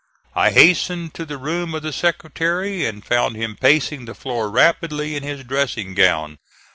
I hastened to the room of the Secretary and found him pacing the floor rapidly in his dressing gown.